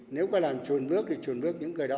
nếu có làm chuồn bước thì chuồn bước những người đó